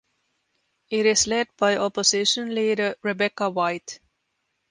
It is led by Opposition Leader Rebecca White.